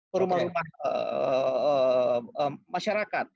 ke rumah rumah masyarakat